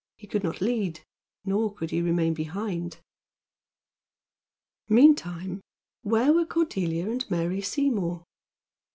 He could not lead, nor could he remain behind. Meantime where were Cordelia and Mary Seymour?